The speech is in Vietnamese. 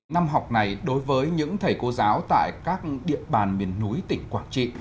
năm học này đối với những thầy cô giáo tại các địa bàn miền núi tỉnh quảng trị